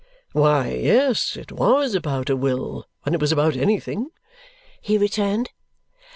"Why, yes, it was about a will when it was about anything," he returned.